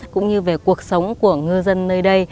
cũng như về cuộc sống của ngư dân nơi đây